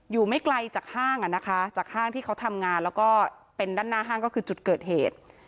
ไม่ไกลจากห้างอ่ะนะคะจากห้างที่เขาทำงานแล้วก็เป็นด้านหน้าห้างก็คือจุดเกิดเหตุ